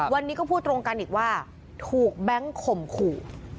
วันนี้ก็พูดตรงกันอีกว่าถูกแบงค์ข่มขู่